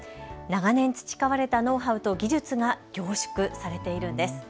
長年培われたノウハウと技術が凝縮されているんです。